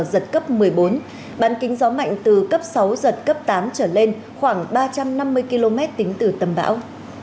giật cấp một mươi bốn bàn kính gió mạnh từ cấp sáu giật cấp tám trở lên khoảng ba trăm năm mươi km tính từ tâm bão